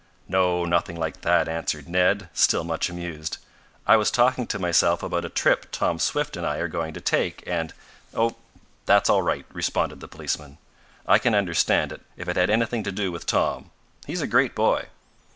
"No, nothing like that," answered Ned, still much amused. "I was talking to myself about a trip Tom Swift and I are going to take and " "Oh, that's all right," responded the policeman. "I can understand it, if it had anything to do with Tom. He's a great boy."